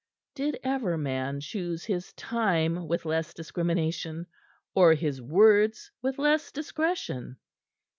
Did ever man choose his time with less discrimination, or his words with less discretion?